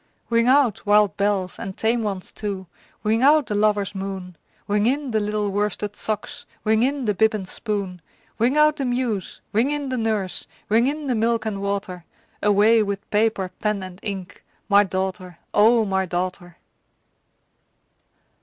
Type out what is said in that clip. Ring out, wild bells, and tame ones too! Ring out the lover's moon! Ring in the little worsted socks! Ring in the bib and spoon! Ring out the muse! ring in the nurse! Ring in the milk and water! Away with paper, pen, and ink My daughter, O my daughter!